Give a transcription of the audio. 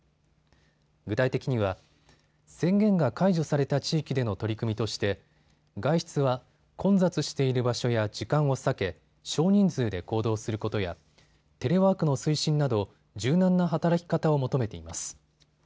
具体的には宣言が解除された地域での取り組みとして外出は混雑している場所や時間を避け、少人数で行動することやテレワークの推進など柔軟な働き方を求めています。